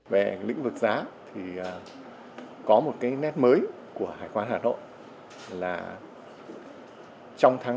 về lĩnh vực giá có một nét mới của hải quan hà nội là trong tháng năm